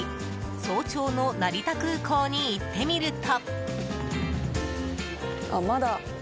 早朝の成田空港に行ってみると。